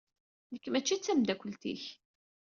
Nekk mačči d tameddakelt-ik.